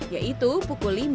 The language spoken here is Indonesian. yaitu pukul lima